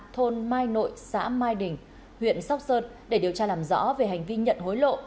thôn mai nội xã mai đình huyện sóc sơn để điều tra làm rõ về hành vi nhận hối lộ